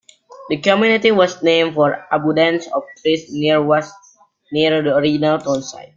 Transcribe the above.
The community was named for the abundance of trees near the original town site.